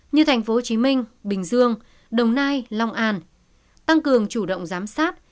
như thành phố hồ chí minh bình dương đồng nai long an tăng cường chủ động giám sát